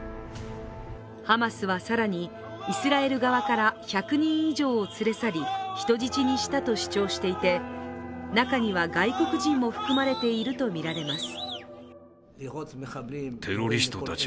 ハマスは更に、イスラエル側から１００人以上を連れ去り、人質にしたと主張していて中には外国人も含まれているとみられています